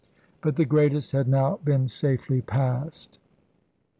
But the greatest had now been safely passed.